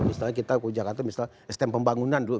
misalnya kita ke jakarta misalnya sistem pembangunan dulu